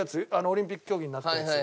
オリンピック競技になったやつ。